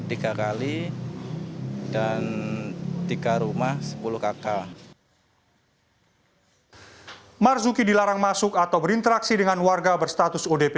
tiga kali dan tiga rumah sepuluh kakak marzuki dilarang masuk atau berinteraksi dengan warga berstatus odp